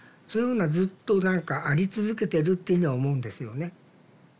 そういうものはずっと何かあり続けてるっていうのは思うんですよね。